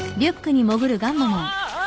ああ！